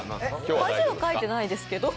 恥はかいていないですけど。